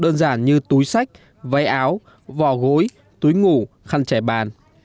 đơn giản như túi sách váy áo vỏ gối túi ngủ khăn chè bàn